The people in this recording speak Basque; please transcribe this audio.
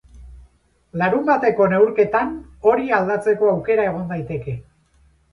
Larunbateko neurketan hori aldatzeko aukera egon daiteke.